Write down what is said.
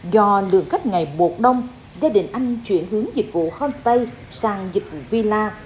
do lượng khách ngày một đông gia đình anh chuyển hướng dịch vụ homestay sang dịch vụ villa